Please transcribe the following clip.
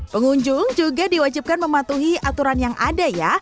pengunjung juga diwajibkan mematuhi aturan yang ada ya